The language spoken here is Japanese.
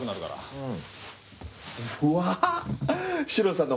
うん。